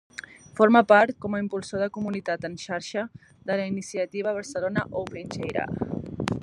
Forma part, com a impulsor de comunitat en xarxa, de la Iniciativa Barcelona Open Data.